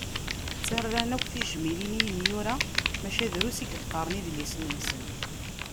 Ttarran akk tijmilin i imyura, maca drus i yeqqaren idlisen-nsen.